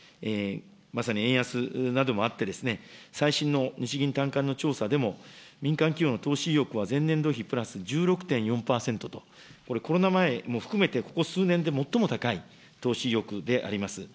まさに円安などもあって、最新の日銀短観の調査でも、民間企業の投資意欲は前年度比プラス１６．４％と、これ、コロナ前も含めてここ数年で最も高い投資意欲であります。